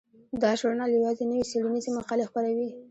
دا ژورنال یوازې نوې څیړنیزې مقالې خپروي.